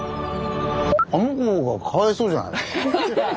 あのこがかわいそうじゃない。